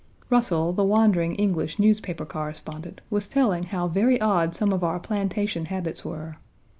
Russell, the wandering English newspaper correspondent, was telling how very odd some of our plantation habits were.